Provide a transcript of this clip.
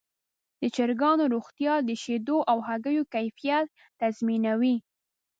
د چرګانو روغتیا د شیدو او هګیو کیفیت تضمینوي.